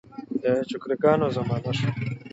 د چوکره ګانو زمانه شوه.